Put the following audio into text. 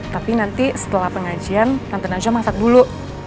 tapi nanti setelah pengajian tante najwa masak dulu